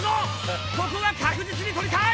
ここは確実に取りたい！